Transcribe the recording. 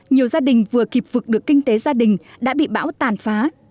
nhiều gia đình vừa kịp vực được kinh tế gia đình đã bị bão tàn phá